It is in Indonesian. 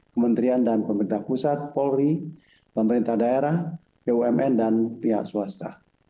kementerian dan pemerintah pusat polri pemerintah daerah bumn dan pihak swasta